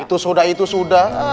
itu sudah itu sudah